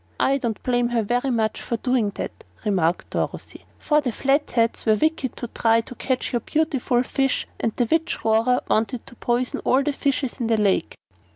"I don't blame her very much for doing that," remarked Dorothy, "for the Flatheads were wicked to try to catch your beautiful fish and the Witch Rora wanted to poison all the fishes in the lake."